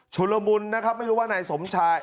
ละมุนนะครับไม่รู้ว่านายสมชาย